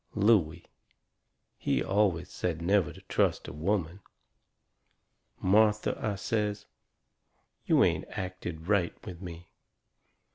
Looey, he always said never to trust a woman! "Martha," I says, "you ain't acted right with me."